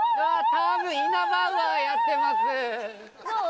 たぶんイナバウアーやってますどう？